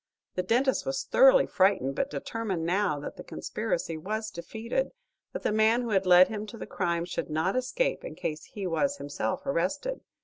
The dentist was thoroughly frightened, but determined, now that the conspiracy was defeated, that the man who had led him to the crime should not escape in case he was himself arrested.